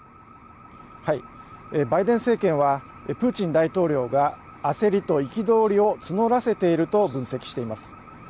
バイデン政権はプーチン大統領が焦りと憤りを募らせていると分析しています。